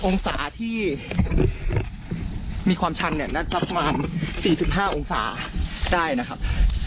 องศาที่มีความชันเนี่ยน่าจะประมาณ๔๕องศาได้นะครับ